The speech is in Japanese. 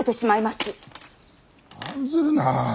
案ずるな。